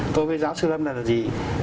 tôi với giáo sư lâm là gì